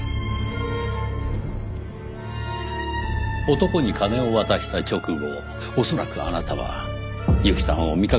男に金を渡した直後恐らくあなたは由季さんを見かけたのではありませんか？